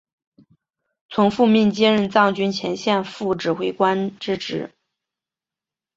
从父命接任藏军前线副指挥官之职。